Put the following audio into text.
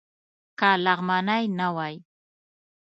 که لغمانی نه وای.